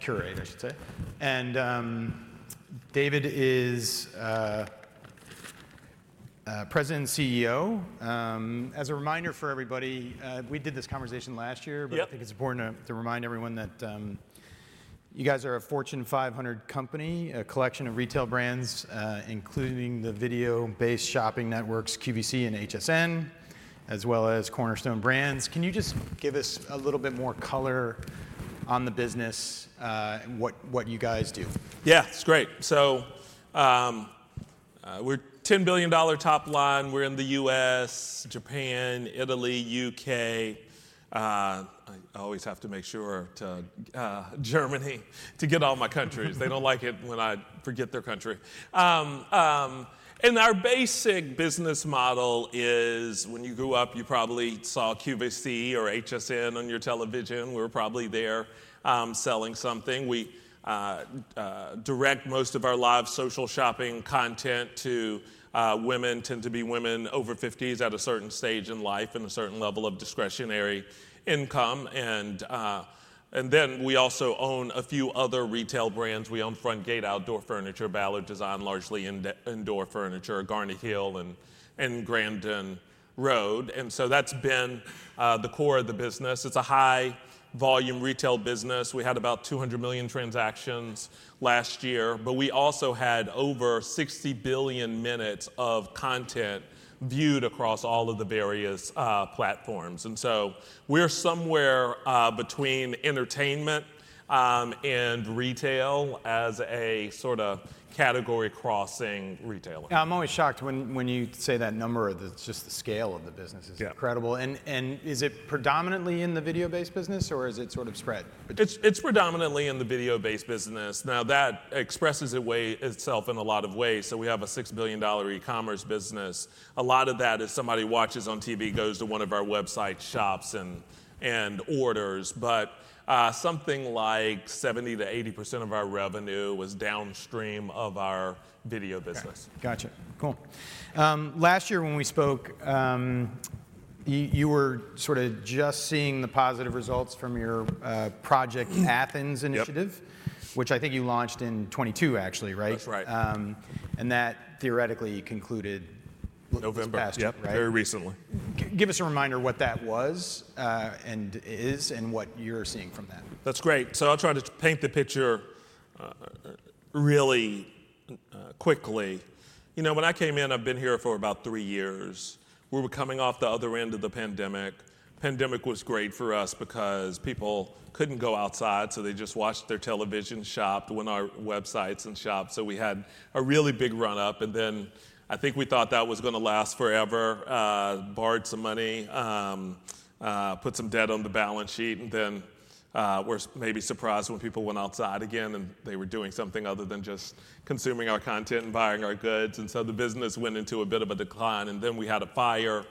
Qurate, I should say. And David is President and CEO. As a reminder for everybody, we did this conversation last year, but I think it's important to remind everyone that you guys are a Fortune 500 company, a collection of retail brands, including the video-based shopping networks QVC and HSN, as well as Cornerstone Brands caan you just give us a little bit more color on the business and what you guys do? Yeah, it's great so we're $10 billion top line we're in the U.S., Japan, Italy, U.K. I always have to make sure to Germany to get all my countries they don't like it when I forget their country. And our basic business model is, when you grew up, you probably saw QVC or HSN on your television we were probably there selling something. We direct most of our live social shopping content to women tend to be women over 50s at a certain stage in life and a certain level of discretionary income. And then we also own a few other retail brands we own Frontgate outdoor furniture, Ballard Designs, largely indoor furniture, Garnet Hill and Grandin Road. And so that's been the core of the business it's a high-volume retail business we had about 200 million transactions last year but we also had over 60 billion minutes of content viewed across all of the various platforms and so we're somewhere between entertainment and retail as a sort of category-crossing retailer. Yeah, I'm always shocked when you say that number or just the scale of the business is incredible and is it predominantly in the video-based business? or is it sort of spread? It's predominantly in the video-based business. Now, that expresses itself in a lot of ways so we have a $6 billion e-commerce business. A lot of that is somebody watches on TV, goes to one of our websites, shops, and orders. But something like 70%-80% of our revenue was downstream of our video business. Gotcha cool. Last year when we spoke, you were sort of just seeing the positive results from your Project Athens initiative, which I think you launched in 2022, actually, right? That's right. That theoretically concluded. November. This past year, right? Very recently. Give us a reminder what that was? and is and what you're seeing from that? That's great so I'll try to paint the picture really quickly. You know, when I came in, I've been here for about three years. We were coming off the other end of the pandemic. The pandemic was great for us because people couldn't go outside, so they just watched their television, shopped, went on our websites and shopped so we had a really big run-up and then. I think we thought that was going to last forever, borrowed some money, put some debt on the balance sheet, and then were maybe surprised when people went outside again and they were doing something other than just consuming our content and buying our goods and so the business went into a bit of a decline and then we had a fire, the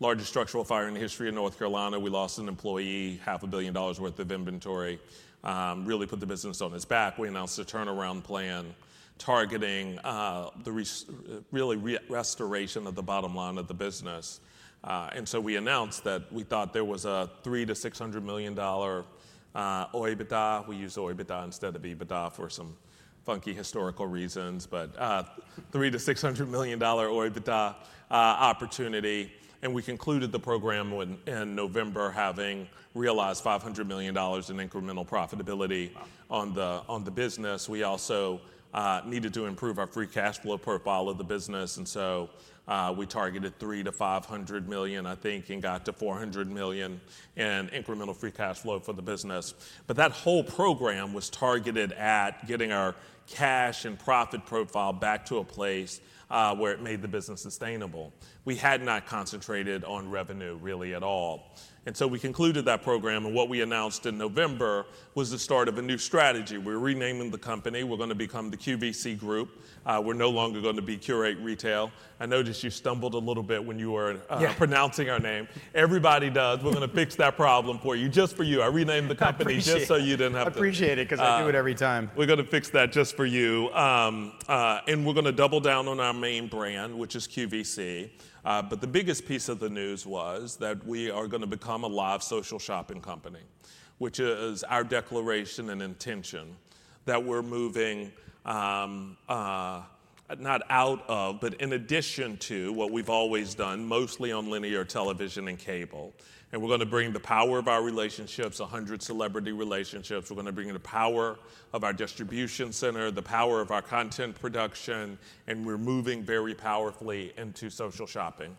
largest structural fire in history in North Carolina we lost an employee, $500 million worth of inventory. Really put the business on its back we announced a turnaround plan targeting the real restoration of the bottom line of the business, and so we announced that we thought there was a $300-$600 million OIBDA. We used OIBDA instead of IBDA for some funky historical reasons, but $300-$600 million OIBDA opportunity. And we concluded the program in November, having realized $500 million in incremental profitability on the business we also needed to improve our free cash flow profile of the business, and so we targeted $300-$500 million, I think, and got to $400 million in incremental free cash flow for the business. But that whole program was targeted at getting our cash and profit profile back to a place where it made the business sustainable. We had not concentrated on revenue really at all, and so we concluded that program what we announced in November was the start of a new strategy we're renaming the company we're going to become the QVC Group. We're no longer going to be Qurate Retail. I noticed you stumbled a little bit when you were pronouncing our name. Everybody does we're going to fix that problem for you, just for you i renamed the company just so you didn't have to. Appreciate it because I do it every time. We're going to fix that just for you, and we're going to double down on our main brand, which is QVC, but the biggest piece of the news was that we are going to become a live social shopping company, which is our declaration and intention that we're moving not out of, but in addition to what we've always done, mostly on linear television and cable, and we're going to bring the power of our relationships, 100 celebrity relationships we're going to bring the power. Of our distribution center, the power of our content production, and we're moving very powerfully into social shopping.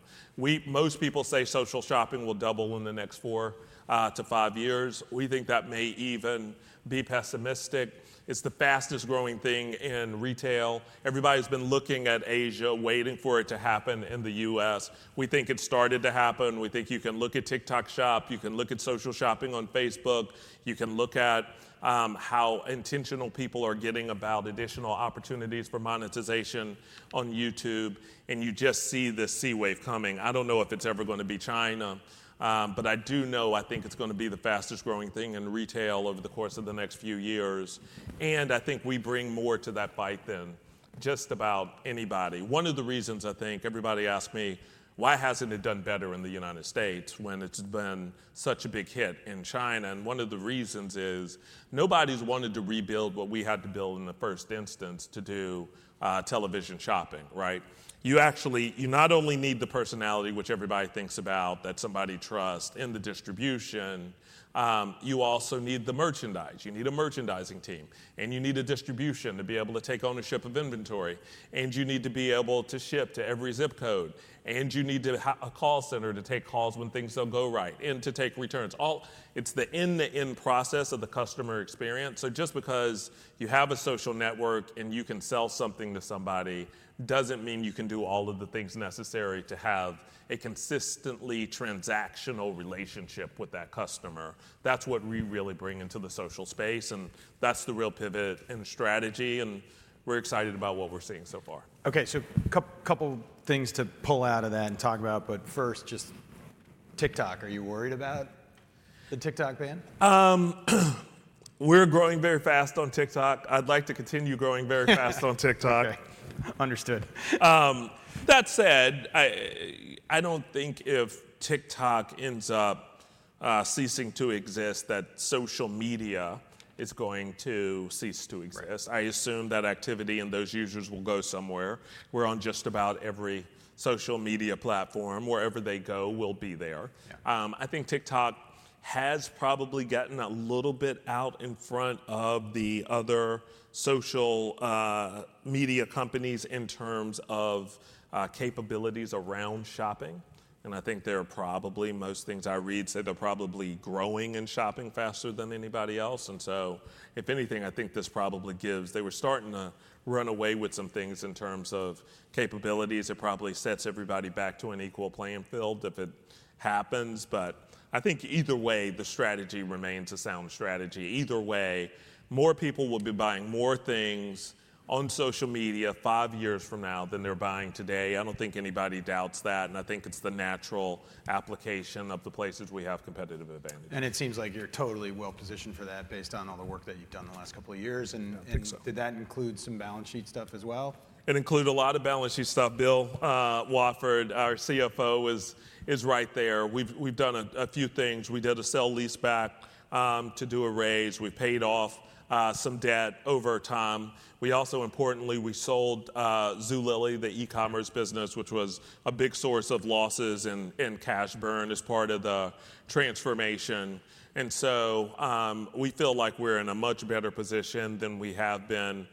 Most people say social shopping will double in the next four-to-five years. We think that may even be pessimistic. It's the fastest growing thing in retail. Everybody's been looking at Asia, waiting for it to happen in the U.S. We think it started to happen we think you can look at TikTok Shop you can look at social shopping on Facebook. You can look at how intentional people are getting about additional opportunities for monetization on YouTube. And you just see the sea wave coming i don't know if it's ever going to be China, but I do know I think it's going to be the fastest growing thing in retail over the course of the next few years. And I think we bring more to that fight than just about anybody one of the reasons I think everybody asked me, why hasn't it done better in the United States when it's been such a big hit in China? And one of the reasons is nobody's wanted to rebuild what we had to build in the first instance to do television shopping, right? You actually not only need the personality, which everybody thinks about, that somebody trusts in the distribution. You also need the merchandise you need a merchandising team. And you need a distribution to be able to take ownership of inventory. And you need to be able to ship to every zip code. And you need a call center to take calls when things don't go right and to take returns it's the end-to-end process of the customer experience so just because you have a social network and you can sell something to somebody doesn't mean you can do all of the things necessary to have a consistently transactional relationship with that customer. That's what we really bring into the social space and that's the real pivot and strategy. And we're excited about what we're seeing so far. OK, so a couple of things to pull out of that and talk about. But first, just TikTok. Are you worried about the TikTok ban? We're growing very fast on TikTok. i'd like to continue growing very fast on TikTok. Understood. That said, I don't think if TikTok ends up ceasing to exist, that social media is going to cease to exist. I assume that activity and those users will go somewhere. We're on just about every social media platform wherever they go, we'll be there. I think TikTok has probably gotten a little bit out in front of the other social media companies in terms of capabilities around shopping. And I think they're probably, most things I read say, they're probably growing in shopping faster than anybody else and so if anything, I think this probably gives, they were starting to run away with some things in terms of capabilities it probably sets everybody back to an equal playing field if it happens. But I think either way, the strategy remains a sound strategy either way. More people will be buying more things on social media five years from now than they're buying today i don't think anybody doubts that, and I think it's the natural application of the places we have competitive advantage. It seems like you're totally well positioned for that based on all the work that you've done the last couple of years. I think so. Did that include some balance sheet stuff as well? It included a lot of balance sheet stuff Bill Wafford, our CFO, is right there we've done a few things. We did a sale-leaseback to do a raise we paid off some debt over time. We also, importantly, we sold Zulily, the e-commerce business, which was a big source of losses and cash burn as part of the transformation, and so we feel like we're in a much better position than we have been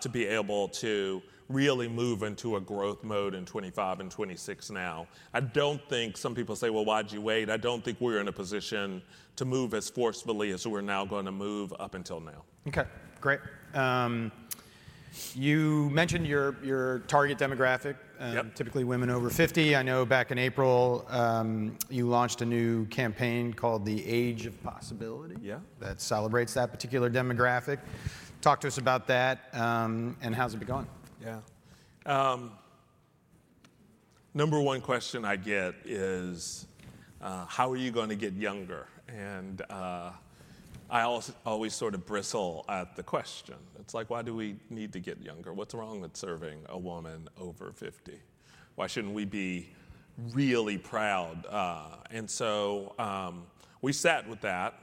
to be able to really move into a growth mode in 2025 and 2026 now. I don't think some people say, well, why did you wait? I don't think we're in a position to move as forcefully as we're now going to move up until now. OK, great. You mentioned your target demographic, typically women over 50 i know back in April you launched a new campaign called the Age of Possibility that celebrates that particular demographic. Talk to us about that. And how's it been going? Yeah number one question I get is, how are you going to get younger? And I always sort of bristle at the question. It's like, why do we need to get younger? What's wrong with serving a woman over 50? Why shouldn't we be really proud? And so we sat with that.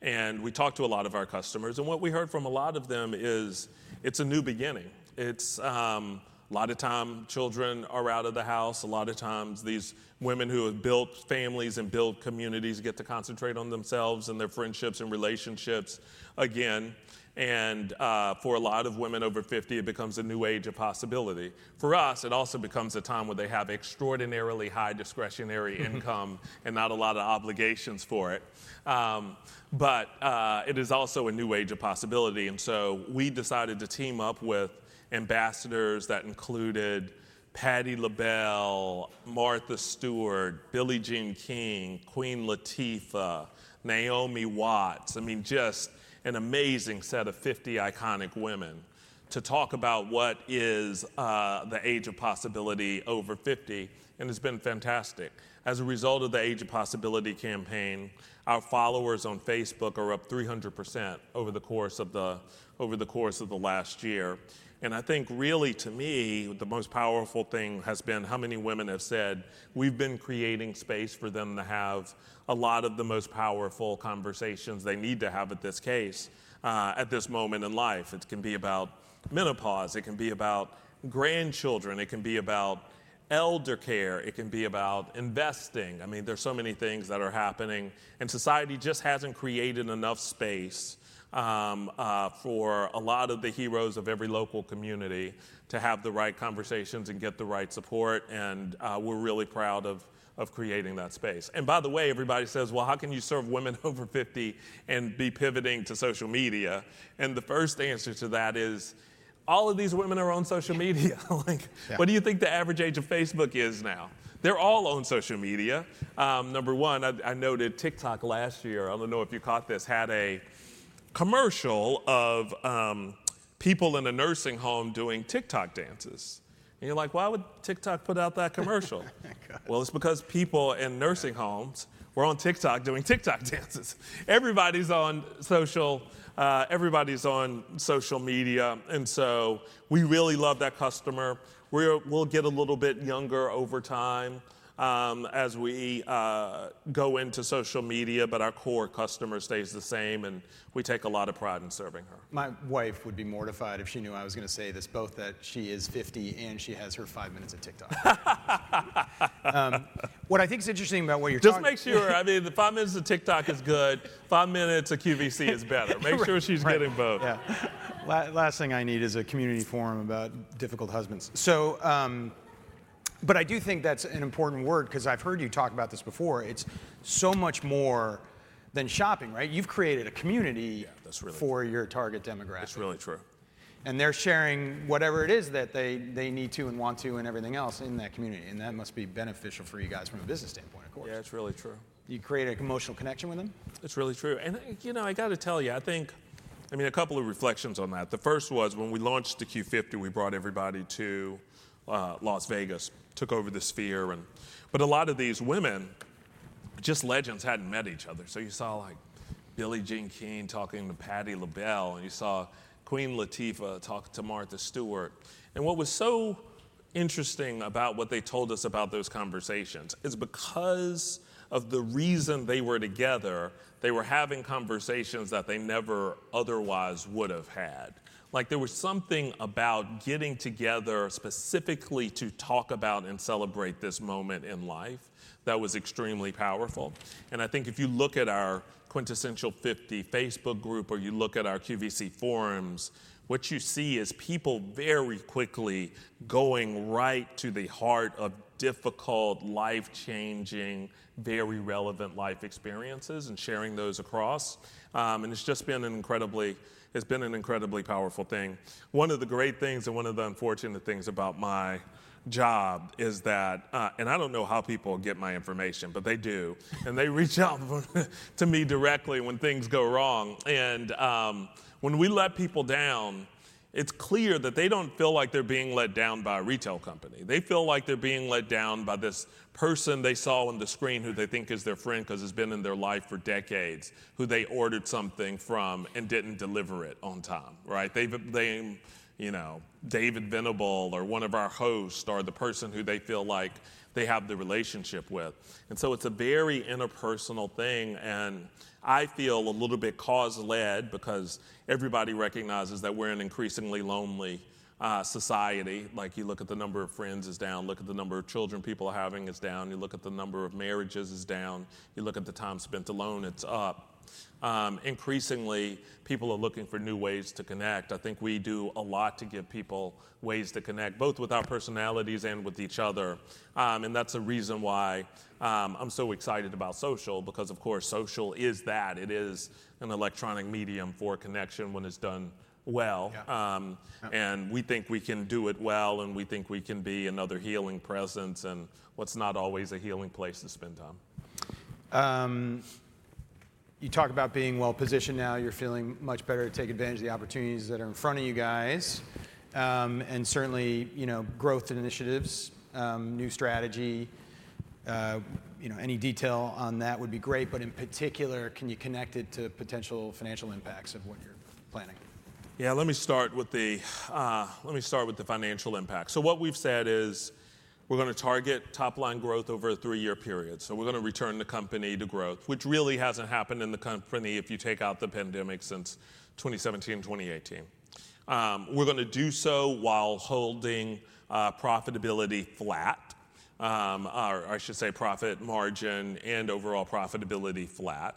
And we talked to a lot of our customers and what we heard from a lot of them is it's a new beginning. A lot of times, children are out of the house a lot of times, these women who have built families and built communities get to concentrate on themselves and their friendships and relationships again. And for a lot of women over 50, it becomes a new age of possibility. For us, it also becomes a time where they have extraordinarily high discretionary income and not a lot of obligations for it. But it is also a new age of possibility. And so we decided to team up with ambassadors that included Patti LaBelle, Martha Stewart, Billie Jean King, Queen Latifah, Naomi Watts i mean, just an amazing set of 50 iconic women, to talk about what is the Age of Possibility over 50. And it's been fantastic. As a result of the Age of Possibility campaign, our followers on Facebook are up 300% over the course of the last year. And I think really, to me, the most powerful thing has been how many women have said, we've been creating space for them to have a lot of the most powerful conversations they need to have at this stage, at this moment in life it can be about menopause it can be about grandchildren it can be about elder care it can be about investing i mean, there's so many things that are happening. And society just hasn't created enough space for a lot of the heroes of every local community to have the right conversations and get the right support, and we're really proud of creating that space, and by the way, everybody says, well, how can you serve women over 50 and be pivoting to social media, and the first answer to that is, all of these women are on social media. What do you think the average age of Facebook is now? They're all on social media. Number one, I noted TikTok last year i don't know if you caught this, it had a commercial of people in a nursing home doing TikTok dances, and you're like, why would TikTok put out that commercial, well, it's because people in nursing homes were on TikTok doing TikTok dances. Everybody's on social. Everybody's on social media, and so we really love that customer. We'll get a little bit younger over time as we go into social media, but our core customer stays the same, and we take a lot of pride in serving her. My wife would be mortified if she knew I was going to say this, both that she is 50 and she has her five minutes of TikTok. What I think is interesting about what you're talking about. Just make sure. I mean, the five minutes of TikTok is good. Five minutes of QVC is better. Make sure she's getting both. Yeah. Last thing I need is a community forum about difficult husbands. But I do think that's an important word because I've heard you talk about this before. It's so much more than shopping, right? You've created a community for your target demographic. That's really true. They're sharing whatever it is that they need to and want to and everything else in that community that must be beneficial for you guys from a business standpoint, of course. Yeah, it's really true. You create an emotional connection with them? It's really true, and you know I got to tell you, I think I mean, a couple of reflections on that the first was when we launched the Q50, we brought everybody to Las Vegas, took over the Sphere, but a lot of these women, just legends, hadn't met each other, so you saw like Billie Jean King talking to Patti LaBelle, and you saw Queen Latifah talk to Martha Stewart. And what was so interesting about what they told us about those conversations is because of the reason they were together, they were having conversations that they never otherwise would have had. Like there was something about getting together specifically to talk about and celebrate this moment in life that was extremely powerful. And I think if you look at our Quintessential 50 Facebook group or you look at our QVC forums, what you see is people very quickly going right to the heart of difficult, life-changing, very relevant life experiences and sharing those across. And it's just been an incredibly powerful thing. One of the great things and one of the unfortunate things about my job is that, and I don't know how people get my information, but they do. And they reach out to me directly when things go wrong. And when we let people down, it's clear that they don't feel like they're being let down by a retail company they feel like they're being let down by this person they saw on the screen who they think is their friend because it's been in their life for decades, who they ordered something from and didn't deliver it on time, right? David Venable or one of our hosts or the person who they feel like they have the relationship with. And so it's a very interpersonal thing. And I feel a little bit cause-led because everybody recognizes that we're an increasingly lonely society like you look at the number of friends is down look at the number of children people are having is down you look at the number of marriages is down. You look at the time spent alone, it's up. Increasingly, people are looking for new ways connect i think we do a lot to give people ways to connect, both with our personalities and with each other. And that's a reason why I'm so excited about social because, of course, social is that. It is an electronic medium for connection when it's done well. And we think we can do it well and we think we can be another healing presence and what's not always a healing place to spend time? You talk about being well positioned now you're feeling much better to take advantage of the opportunities that are in front of you guys. And certainly, growth initiatives, new strategy, any detail on that would be great but in particular, can you connect it to potential financial impacts of what you're planning? Yeah, let me start with the financial impact what we've said is we're going to target top-line growth over a three-year period. We're going to return the company to growth, which really hasn't happened in the company if you take out the pandemic since 2017, 2018. We're going to do so while holding profitability flat, or I should say profit margin and overall profitability flat.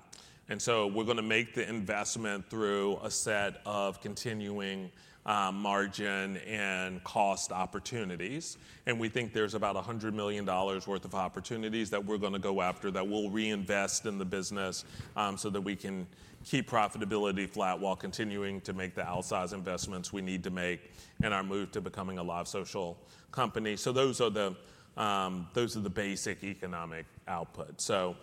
We're going to make the investment through a set of continuing margin and cost opportunities. We think there's about $100 million worth of opportunities that we're going to go after that we'll reinvest in the business so that we can keep profitability flat while continuing to make the outsize investments we need to make in our move to becoming a live social company those are the basic economic output. So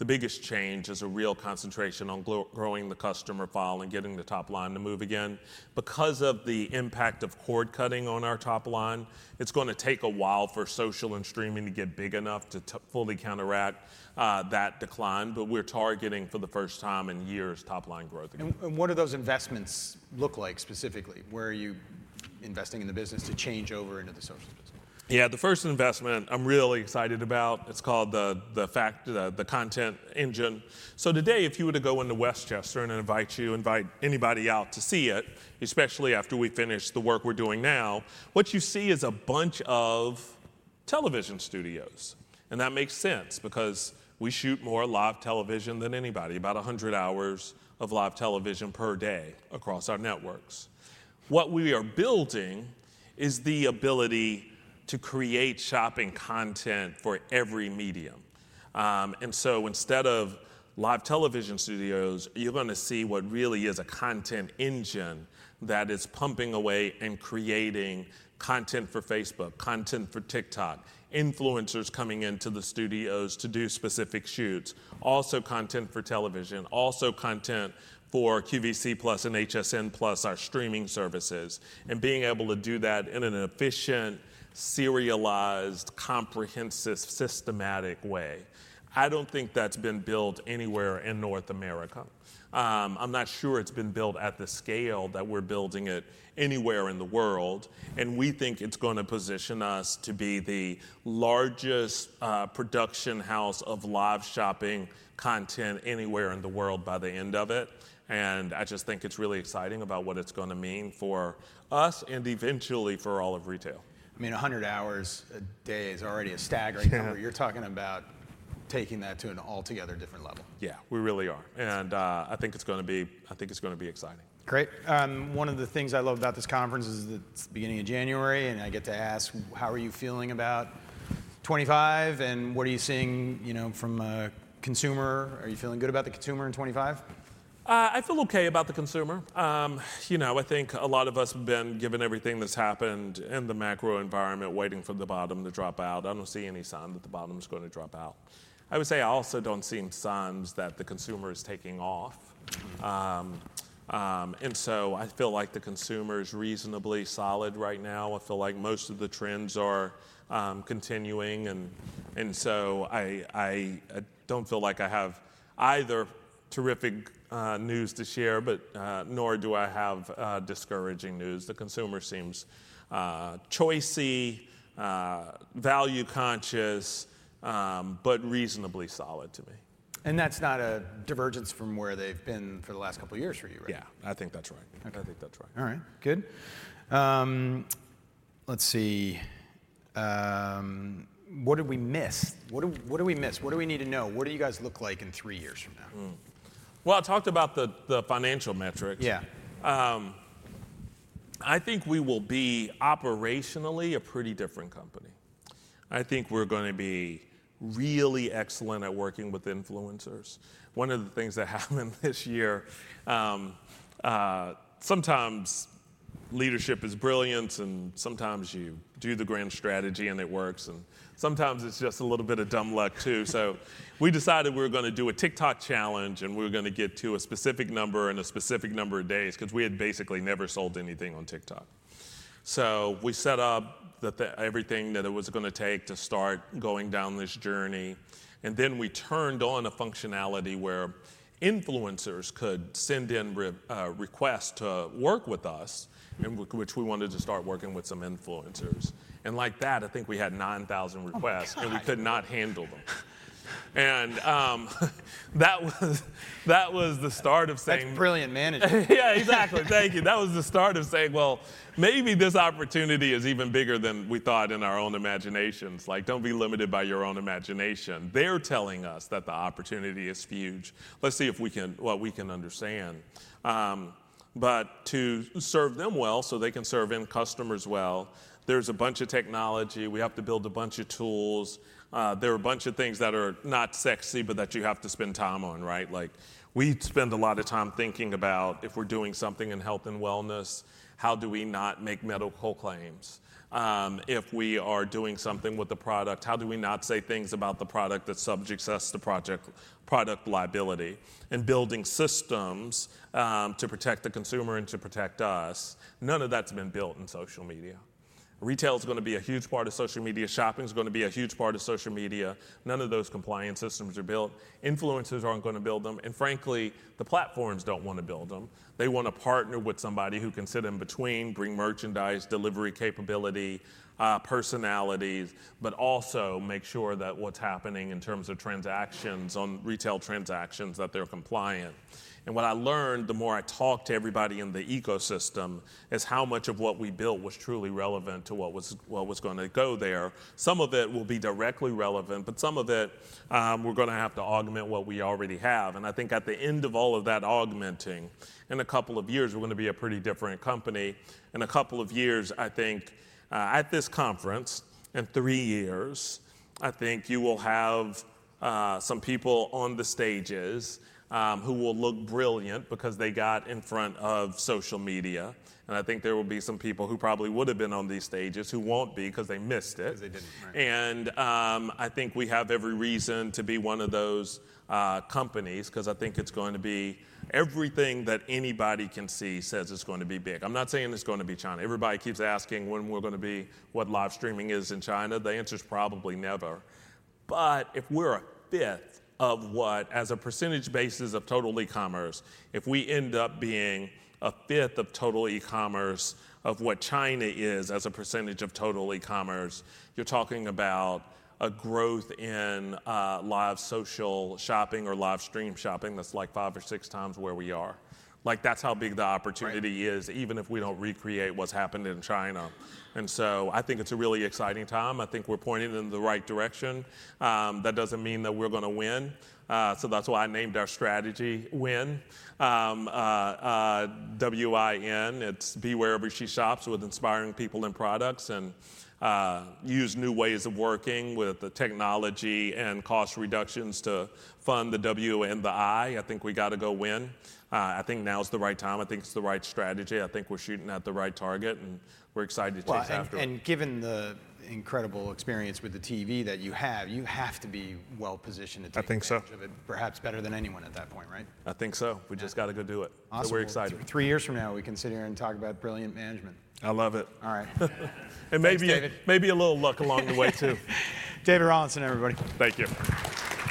the biggest change is a real concentration on growing the customer file and getting the top line to move again. Because of the impact of cord cutting on our top line, it's going to take a while for social and streaming to get big enough to fully counteract that decline but we're targeting for the first time in years top-line growth again. And what do those investments? look like specifically? Where are you investing in the business to change over into the social business. Yeah, the first investment I'm really excited about, it's called the Content Engine, so today, if you were to go into West Chester and invite you, invite anybody out to see it, especially after we finish the work we're doing now, what you see is a bunch of television studios, and that makes sense because we shoot more live television than anybody, about 100 hours of live television per day across our networks. What we are building is the ability to create shopping content for every medium. And so instead of live television studios, you're going to see what really is a content engine that is pumping away and creating content for Facebook, content for TikTok, influencers coming into the studios to do specific shoots, also content for television, also content for QVC Plus and HSN Plus, our streaming services, and being able to do that in an efficient, serialized, comprehensive, systematic way. I don't think that's been built anywhere in North America. I'm not sure it's been built at the scale that we're building it anywhere in the world. And we think it's going to position us to be the largest production house of live shopping content anywhere in the world by the end of it. And I just think it's really exciting about what it's going to mean for us and eventually for all of retail. I mean, 100 hours a day is already a staggering number you're talking about taking that to an altogether different level. Yeah, we really are. And I think it's going to be exciting. Great one of the things I love about this conference is it's the beginning of January, and I get to ask, how? are you feeling about 2025, and what are you seeing from a consumer? Are you feeling good about the consumer in 2025? I feel OK about the consumer. You know, I think a lot of us have been, given everything that's happened in the macro environment, waiting for the bottom to drop out i don't see any sign that the bottom is going to drop out. I would say I also don't see signs that the consumer is taking off. And so I feel like the consumer is reasonably solid right now i feel like most of the trends are continuing. And so I don't feel like I have either terrific news to share, nor do I have discouraging news the consumer seems choosy, value-conscious, but reasonably solid to me. That's not a divergence from where they've been for the last couple of years for you, right? Yeah, I think that's right. I think that's right. All right, good. Let's see. What did we miss? What do we miss? What do we need to know? What do you guys look like in three years from now? I talked about the financial metrics. Yeah. I think we will be operationally a pretty different company. I think we're going to be really excellent at working with influencers. One of the things that happened this year, sometimes leadership is brilliant and sometimes you do the grand strategy and it works and sometimes it's just a little bit of dumb luck too so we decided we were going to do a TikTok challenge and we were going to get to a specific number and a specific number of days because we had basically never sold anything on TikTok. So we set up everything that it was going to take to start going down this journey. And then we turned on a functionality where influencers could send in requests to work with us, which we wanted to start working with some influencers. And like that, I think we had 9,000 requests and we could not handle them. And that was the start of saying that's brilliant management. Yeah, exactly thank you. That was the start of saying, well, maybe this opportunity is even bigger than we thought in our own imaginations like, don't be limited by your own imagination they're telling us that the opportunity is huge. Let's see what we can understand. But to serve them well so they can serve end customers well, there's a bunch of technology. We have to build a bunch of tools. There are a bunch of things that are not sexy, but that you have to spend time on, right? Like, we spend a lot of time thinking about if we're doing something in health and wellness, how do we not make medical claims? If we are doing something with the product, how do we not say things about the product that subjects us to product liability? Building systems to protect the consumer and to protect us, none of that's been built in social media. Retail is going to be a huge part of social media shopping is going to be a huge part of social media. None of those compliance systems are built. Influencers aren't going to build them and frankly, the platforms don't want to build them. They want to partner with somebody who can sit in between, bring merchandise, delivery capability, personalities, but also make sure that what's happening in terms of transactions on retail transactions, that they're compliant. What I learned, the more I talk to everybody in the ecosystem, is how much of what we built was truly relevant to what was going to go there. Some of it will be directly relevant some of it, we're going to have to augment what we already have and I think at the end of all of that augmenting. In a couple of years, we're going to be a pretty different company. In a couple of years, I think at this conference, in three years, I think you will have some people on the stages who will look brilliant because they got in front of social media. And I think there will be some people who probably would have been on these stages who won't be because they missed it and I think we have every reason to be one of those companies because I think it's going to be everything that anybody can see says it's going to be big i'm not saying it's going to be China everybody keeps asking when we're going to be what live streaming is in China the answer is probably never. But if we're a fifth of what, as a percentage basis of total e-commerce, if we end up being a fifth of total e-commerce of what China is as a percentage of total e-commerce, you're talking about a growth in live social shopping or live stream shopping that's like five or six times where we are. Like, that's how big the opportunity is, even if we don't recreate what's happened in China. And so I think it's a really exciting time. I think we're pointed in the right direction. That doesn't mean that we're going to win. So that's why I named our strategy WIN, W-I-N it's be wherever she shops with inspiring people and products and use new ways of working with the technology and cost reductions to fund the W and the I., I think we got to go WIN. I think now is the right time i think it's the right strategy i think we're shooting at the right target, and we're excited to take that. Given the incredible experience with the TV that you have, you have to be well positioned to take advantage of it, perhaps better than anyone at that point, right? I think so. We just got to go do it. Awesome. Three years from now, we can sit here and talk about brilliant management. I love it. All right. And maybe a little luck along the way too. David Rawlinson, everybody. Thank you.